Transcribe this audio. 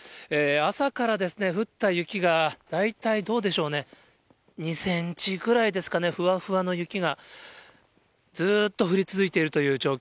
朝から降った雪が、大体どうでしょうね、２センチぐらいですかね、ふわふわの雪がずっと降り続いているという状況。